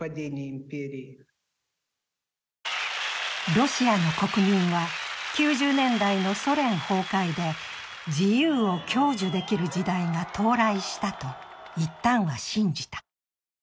ロシアの国民は９０年代のソ連崩壊で自由を享受できる時代が到来したといったんは信じた。